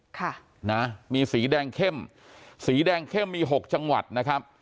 ค่ะนะมีสีแดงเข้มสีแดงเข้มมีหกจังหวัดนะครับ